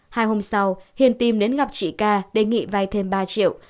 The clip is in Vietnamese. hai hôm sau hiền tìm đến gặp chị ca đề nghị vay thêm ba triệu